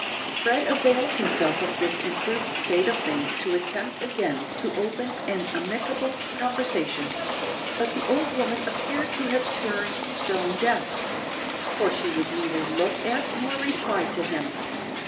Fred availed himself of this improved state of things to attempt again to open an amicable conversation; but the old woman appeared to have turned stone deaf; for she would neither look at nor reply to him.